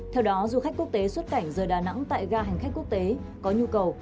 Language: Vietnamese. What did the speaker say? theo đó du khách quốc tế xuất cảnh rời đà nẵng tại ga hành khách quốc tế có nhu cầu